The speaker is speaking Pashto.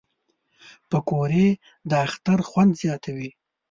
پکورې د اختر خوند زیاتوي